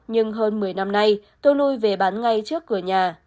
nhưng hơn một mươi năm nay tôi nuôi về bán ngay trước cửa nhà